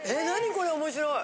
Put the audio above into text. これ面白い。